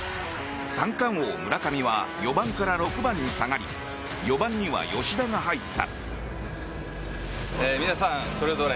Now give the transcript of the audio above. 三冠王、村上は４番から６番に下がり４番には吉田が入った。